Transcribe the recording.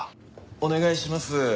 お願いします。